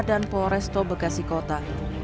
dan poresto bekasi kota